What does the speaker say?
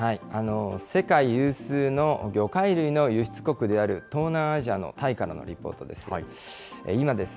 世界有数の魚介類の輸出国である東南アジアのタイからのリポートです。